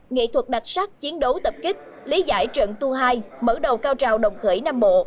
nghệ thuật đặc sắc chiến đấu tập kích lý giải trận tu hai mở đầu cao trào đồng khởi nam bộ